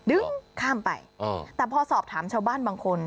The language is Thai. ดึงข้ามไปแต่พอสอบถามชาวบ้านบางคน